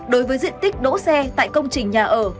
đối với diện tích đỗ xe tại công trình nhà ở